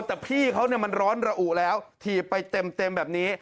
แต่พี่เขามันร้อนระอุแล้วถีบไปเต็มแบบนี้